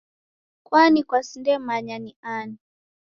Kwani kwasindemanya ni ani?